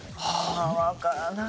わからない。